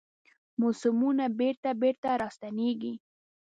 موسمونه بیرته، بیرته راستنیږي